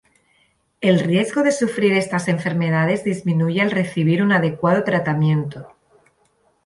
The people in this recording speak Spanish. El riesgo de sufrir estas enfermedades disminuye al recibir un adecuado tratamiento.